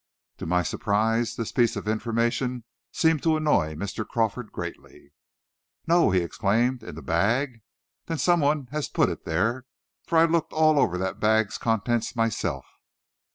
To my surprise, this piece of information seemed to annoy Mr. Crawford greatly. "No!" he exclaimed. "In the bag? Then some one has put it there! for I looked over all the bag's contents myself."